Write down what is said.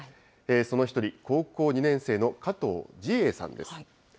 その１人、高校２年生の加藤路瑛さんです。